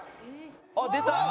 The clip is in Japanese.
あっ出た！